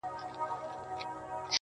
سترگه وره مي په پت باندي پوهېږي.